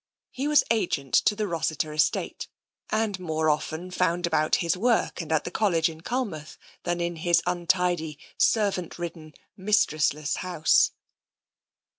He was agent to the Rossiter estate, and more often found about his work and at the College in Culmouth than in his untidy, servant ridden, mistressless house.